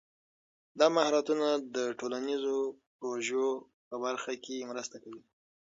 دا مهارتونه د ټولنیزو پروژو په برخه کې مرسته کوي.